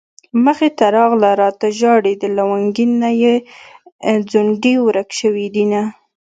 مخې ته راغله راته ژاړي د لونګين نه يې ځونډي ورک شوي دينه